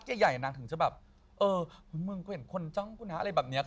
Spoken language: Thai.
เรียกนางคือพี่ถูกกว่ำออกมาดูกับสหนัก